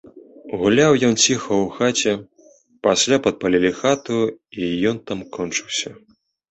Гуляў ён ціха ў хаце, пасля падпалілі хату, і ён там кончыўся.